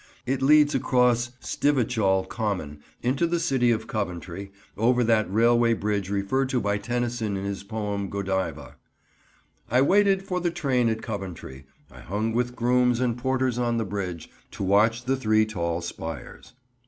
It leads across Stivichall Common into the city of Coventry, over that railway bridge referred to by Tennyson in his poem, Godiva— "I waited for the train at Coventry; I hung with grooms and porters on the bridge, To watch the three tall spires."